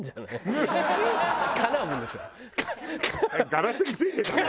ガラスに付いてたの？